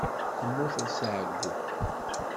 Temmuteḍ seg ɛeyyu.